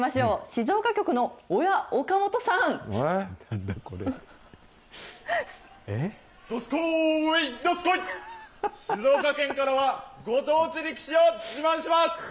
静岡県からは、ご当地力士を自慢します。